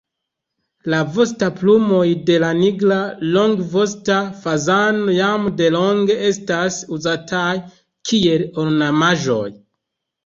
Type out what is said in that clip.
La vostoplumoj de la nigra longvosta fazano jam delonge estas uzataj kiel ornamaĵoj.